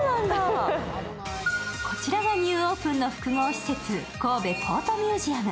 こちらがニューオープンの複合施設、神戸ポートミュージアム。